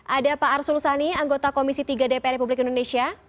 ada pak arsul sani anggota komisi tiga dpr republik indonesia